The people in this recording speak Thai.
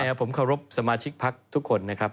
ผมไม่อะผมเคารพสมาชิกพักต์ทุกคนนะครับ